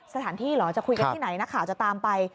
สถานที่เหรอจะคุยกันที่ไหนนักข่าวจะตามไป